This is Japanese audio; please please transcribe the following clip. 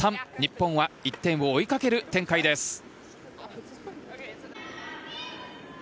日本は１点を追いかける展開です。